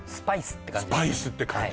スパイスって感じ